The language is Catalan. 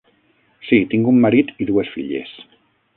Sí, tinc un marit i dues filles.